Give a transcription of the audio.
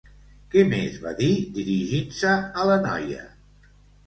Què més va dir, dirigint-se a la noia?